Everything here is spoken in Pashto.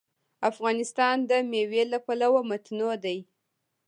افغانستان د مېوې له پلوه متنوع دی.